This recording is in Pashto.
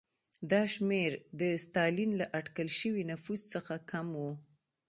دا شمېر د ستالین له اټکل شوي نفوس څخه کم و.